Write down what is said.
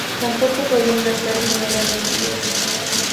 Tampoco podían gastar dinero en útiles.